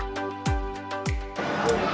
tulang rusuknya enak banget